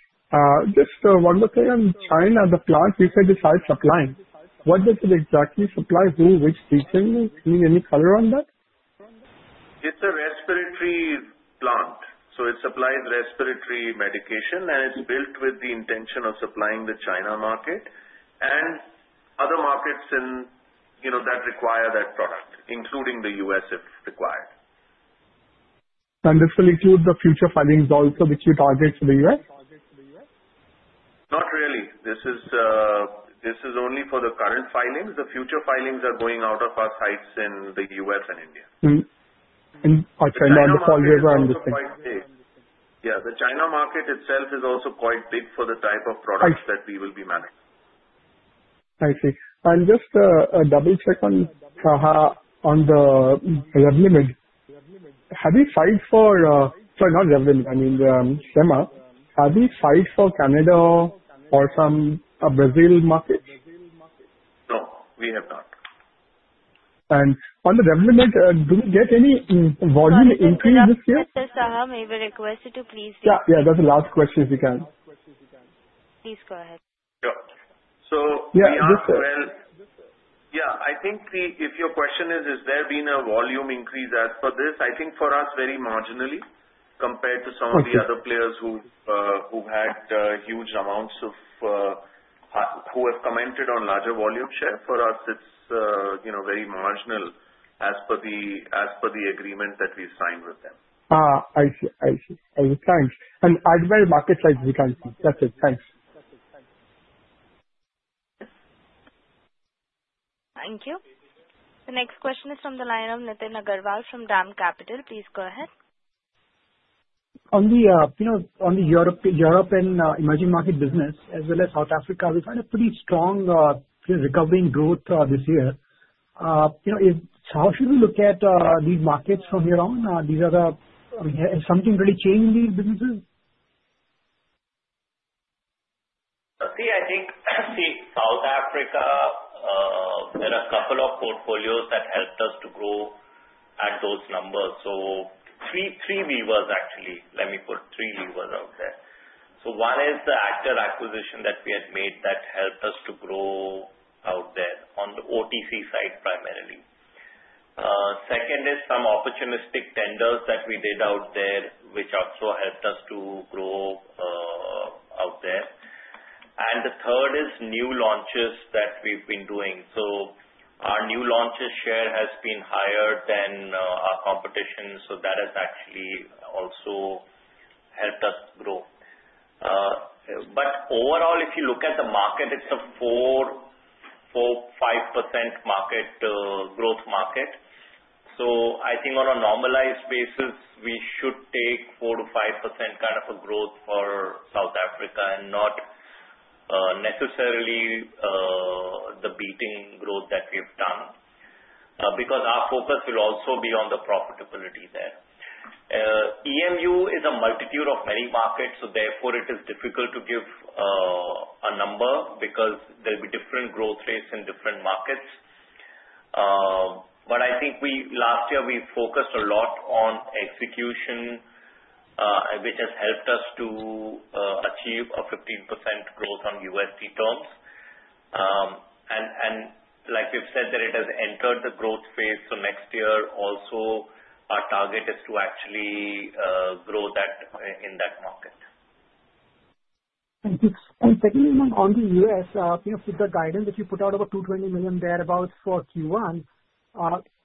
Just one more thing on China. The plant you said is supplying. What does it exactly supply? Who? Which region? Any color on that? It's a respiratory plant. It supplies respiratory medication. It's built with the intention of supplying the China market and other markets that require that product, including the U.S. if required. Will this include the future filings also which you target for the U.S.? Not really. This is only for the current filings. The future filings are going out of our sites in the U.S. and India. I'll try to understand. Yeah. The China market itself is also quite big for the type of products that we will be managing. I see. And just a double check on the revenue limit. Have you filed for, sorry, not revenue limit. I mean, SEMA. Have you filed for Canada or some Brazil markets? No. We have not. On the revenue limit, do we get any volume increase this year? Mr. Sanghavi, may we request you to please? Yeah. Yeah. That is the last question if you can. Please go ahead. Yeah. So yeah. I think if your question is, has there been a volume increase as per this? I think for us, very marginally compared to some of the other players who had huge amounts of who have commented on larger volume share. For us, it's very marginal as per the agreement that we signed with them. I see. I see. Thanks. I'd wear market size, we can't see. That's it. Thanks. Thank you. The next question is from the line of Nithin Agarwal from DAM Capital. Please go ahead. On the European emerging market business as well as South Africa, we've had a pretty strong recovering growth this year. How should we look at these markets from here on? Is something really changed in these businesses? See, I think South Africa, there are a couple of portfolios that helped us to grow at those numbers. Three levers actually. Let me put three levers out there. One is the actor acquisition that we had made that helped us to grow out there on the OTC side primarily. Second is some opportunistic tenders that we did out there, which also helped us to grow out there. The third is new launches that we've been doing. Our new launches share has been higher than our competition. That has actually also helped us grow. Overall, if you look at the market, it's a 4%-5% growth market. I think on a normalized basis, we should take 4%-5% kind of a growth for South Africa and not necessarily the beating growth that we've done because our focus will also be on the profitability there. EMU is a multitude of many markets. Therefore, it is difficult to give a number because there will be different growth rates in different markets. I think last year, we focused a lot on execution, which has helped us to achieve a 15% growth on USD terms. Like we've said, it has entered the growth phase. Next year, also our target is to actually grow in that market. Thank you. Secondly, on the U.S., with the guidance that you put out of $220 million thereabouts for Q1,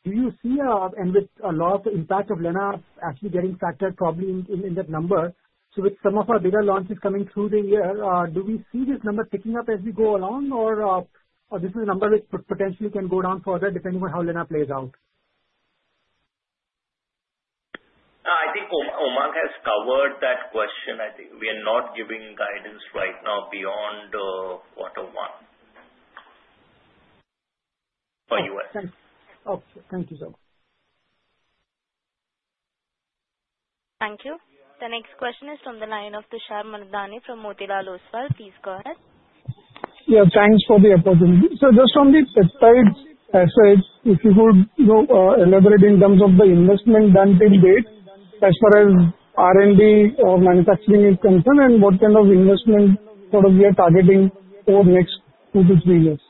do you see a lot of the impact of Lena actually getting factored probably in that number? With some of our bigger launches coming through the year, do we see this number picking up as we go along, or is this a number which potentially can go down further depending on how Lena plays out? I think Umang has covered that question. I think we are not giving guidance right now beyond quarter one for U.S. Okay. Thank you, sir. Thank you. The next question is from the line of Tushar Manudhane from Motilal Oswal. Please go ahead. Yeah. Thanks for the opportunity. Just on the third passage, if you could elaborate in terms of the investment done till date as far as R&D or manufacturing is concerned and what kind of investment we are targeting for next two to three years?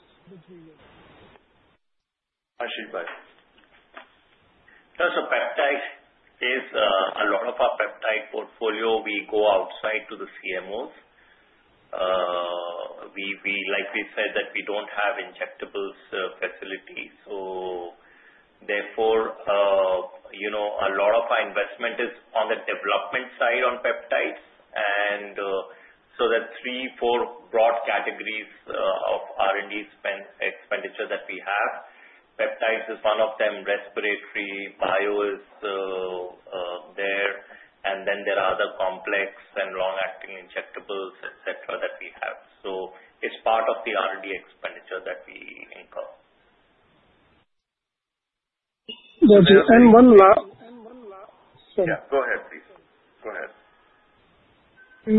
Ashish Bhai, peptide is a lot of our peptide portfolio. We go outside to the CMOs. Like we said, that we do not have injectables facility. Therefore, a lot of our investment is on the development side on peptides. There are three or four broad categories of R&D expenditure that we have. Peptides is one of them. Respiratory bio is there. Then there are other complex and long-acting injectables, etc., that we have. It is part of the R&D expenditure that we incur. One last. Yeah. Go ahead, please. In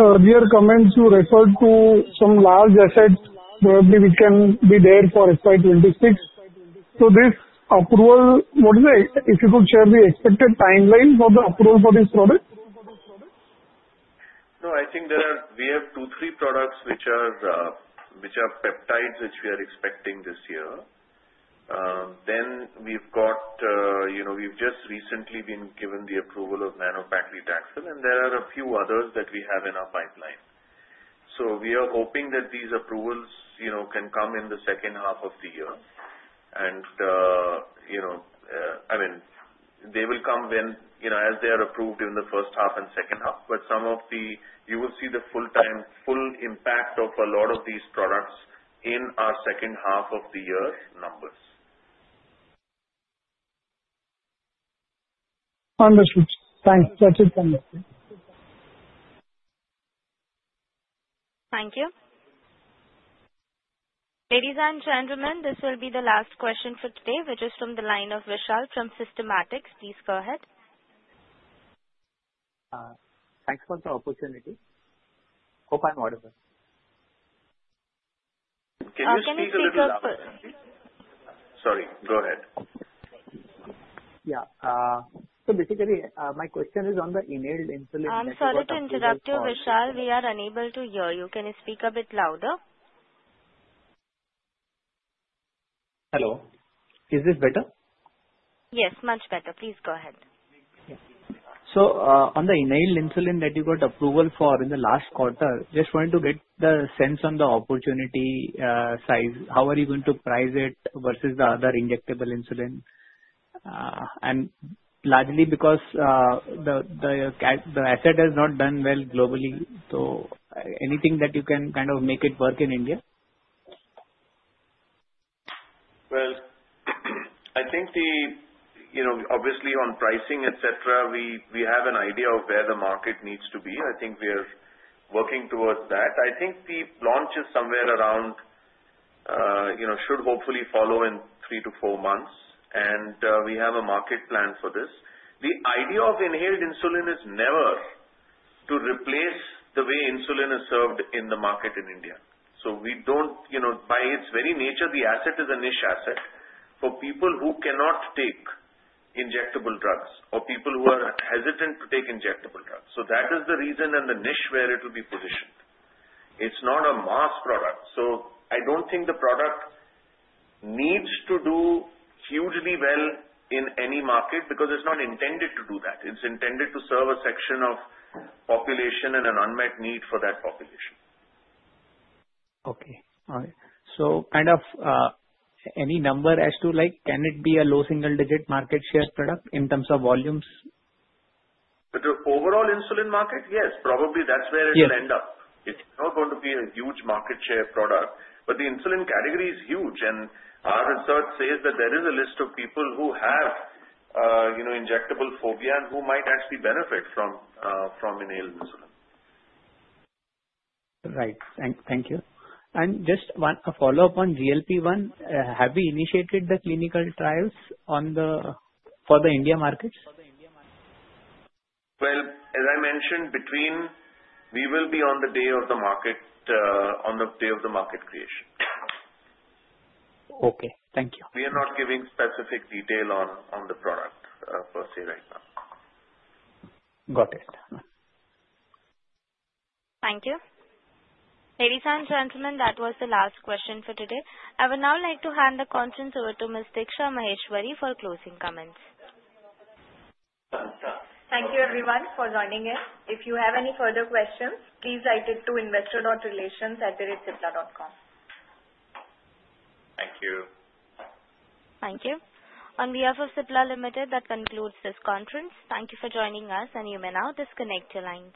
the earlier comments, you referred to some large assets. Maybe we can be there for FY 2026. So this approval, what is it? If you could share the expected timeline for the approval for this product? No. I think we have two, three products which are peptides which we are expecting this year. Then we have just recently been given the approval of Nano Paclitaxel. There are a few others that we have in our pipeline. We are hoping that these approvals can come in the second half of the year. I mean, they will come as they are approved in the first half and second half. Some of the, you will see the full impact of a lot of these products in our second half of the year numbers. Understood. Thanks. That's it from me. Thank you. Ladies and gentlemen, this will be the last question for today, which is from the line of Vishal from Systematix. Please go ahead. Thanks for the opportunity. Hope I'm audible. Can you speak a little louder? Sorry. Go ahead. Yeah. So basically, my question is on the inhaled insulin. I'm sorry to interrupt you, Vishal. We are unable to hear you. Can you speak a bit louder? Hello. Is this better? Yes. Much better. Please go ahead. On the inhaled insulin that you got approval for in the last quarter, just wanted to get the sense on the opportunity size. How are you going to price it versus the other injectable insulin? Largely because the asset has not done well globally. Anything that you can kind of make it work in India? I think obviously, on pricing, etc., we have an idea of where the market needs to be. I think we are working towards that. I think the launches somewhere around should hopefully follow in three to four months. We have a market plan for this. The idea of inhaled insulin is never to replace the way insulin is served in the market in India. By its very nature, the asset is a niche asset for people who cannot take injectable drugs or people who are hesitant to take injectable drugs. That is the reason and the niche where it will be positioned. It is not a mass product. I do not think the product needs to do hugely well in any market because it is not intended to do that. It is intended to serve a section of population and an unmet need for that population. Okay. All right. So kind of any number as to can it be a low single-digit market share product in terms of volumes? The overall insulin market, yes. Probably that's where it will end up. It's not going to be a huge market share product. The insulin category is huge. Our research says that there is a list of people who have injectable phobia and who might actually benefit from inhaled insulin. Right. Thank you. Just a follow-up on GLP-1, have we initiated the clinical trials for the India markets? As I mentioned, we will be on the day of the market creation. Okay. Thank you. We are not giving specific detail on the product per se right now. Got it. Thank you. Ladies and gentlemen, that was the last question for today. I would now like to hand the conference over to Ms. Diksha Maheshwari for closing comments. Thank you, everyone, for joining in. If you have any further questions, please write it to investor.relations@directcipla.com. Thank you. Thank you. On behalf of Cipla Ltd, that concludes this conference. Thank you for joining us. You may now disconnect your lines.